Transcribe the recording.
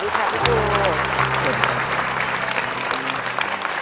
สวัสดีครับพี่ปู